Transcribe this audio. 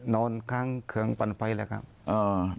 นอนค้างเครื่องปั่นไฟแล้วครับ